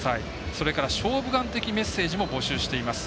それから「勝負眼」的メッセージも募集しています。